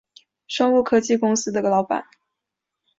生物科技公司的老板